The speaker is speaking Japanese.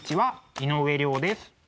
井上涼です。